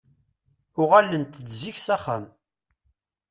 Uɣalent-d zik s axxam.